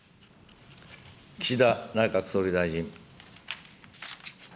岸田内閣総理大臣。